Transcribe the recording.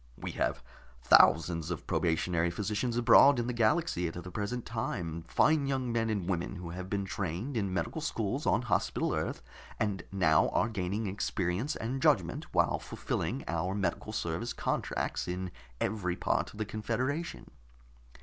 We have thousands of probationary physicians abroad in the galaxy at the present time, fine young men and women who have been trained in medical schools on Hospital Earth, and now are gaining experience and judgment while fulfilling our medical service contracts in every part of the confederation.